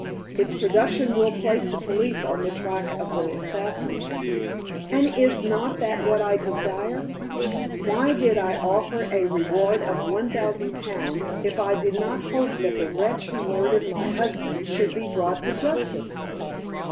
"Its production will place the police on the track of the assassin." "And is not that what I desire? Why did I offer a reward of one thousand pounds if I did not hope that the wretch who murdered my husband should be brought to justice?"